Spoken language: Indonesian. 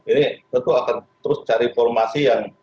ini tentu akan terus cari formasi yang